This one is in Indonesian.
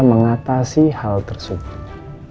mengatasi hal tersebut